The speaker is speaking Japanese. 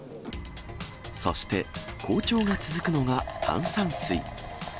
そして好調が続くのが、炭酸水。